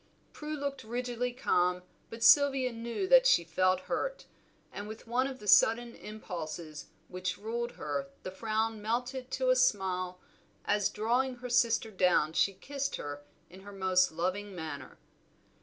Prue looked rigidly calm, but Sylvia knew that she felt hurt, and with one of the sudden impulses which ruled her the frown melted to a smile, as drawing her sister down she kissed her in her most loving manner.